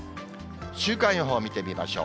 週間予報を見てみましょう。